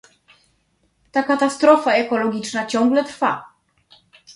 Ta katastrofa ekologiczna ciągle trwa